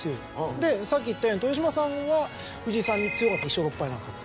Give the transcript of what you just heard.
でさっき言ったように豊島さんは藤井さんに強かった１勝６敗だから。